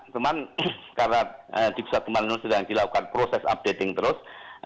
teman teman karena di kusat kemarun sudah dilakukan proses updating terus